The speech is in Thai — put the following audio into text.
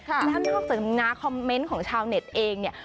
แล้วนอกจากนะคอมเมนต์ของชาวเน็ตเองเนี่ย